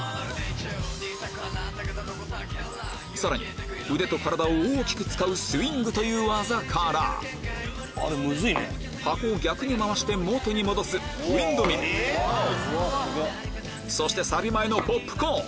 さらに腕と体を大きく使うスイングという技から箱を逆に回して元に戻すウインドミルそしてサビ前のポップコーン